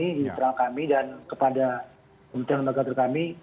di mitra kami dan kepada kementerian lembaga terkami